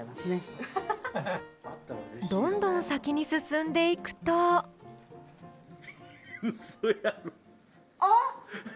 どんどん先に進んでいくとあっ！